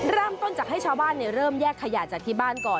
เริ่มต้นจากให้ชาวบ้านเริ่มแยกขยะจากที่บ้านก่อน